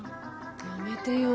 やめてよ。